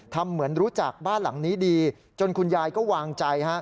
เหมือนรู้จักบ้านหลังนี้ดีจนคุณยายก็วางใจ